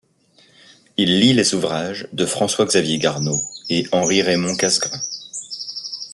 Il lit les ouvrages de François-Xavier Garneau et Henri-Raymond Casgrain.